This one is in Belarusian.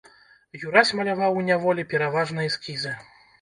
Юрась маляваў у няволі пераважна эскізы.